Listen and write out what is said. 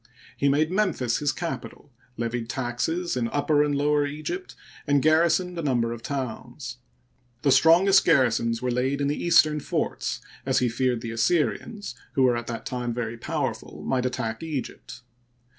He made Memphis his capital, lev ied taxes in Upper and Lower Egypt, and garrisoned a number of towns. The strongest garrisons were laid in the eastern forts, as he feared the Assyrians, who were at that time very powerful, might attack Egypt.